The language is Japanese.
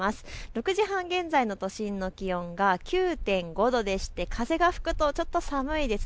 ６時半現在の都心の気温が９．５度で風が吹くとちょっと寒いです。